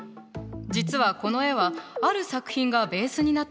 実はこの絵はある作品がベースになっているの。